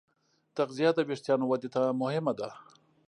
تغذیه د وېښتیانو ودې ته مهمه ده.